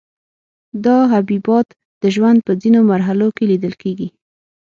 دا حبیبات د ژوند په ځینو مرحلو کې لیدل کیږي.